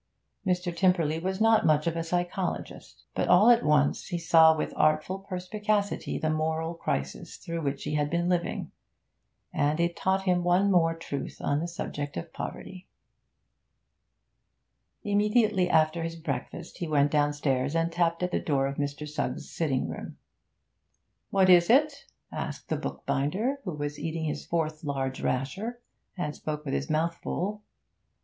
Mr. Tymperley was not much of a psychologist. But all at once he saw with awful perspicacity the moral crisis through which he had been living. And it taught him one more truth on the subject of poverty. Immediately after his breakfast he went downstairs and tapped at the door of Mr. Suggs' sitting room. 'What is it?' asked the bookbinder, who was eating his fourth large rasher, and spoke with his mouth full.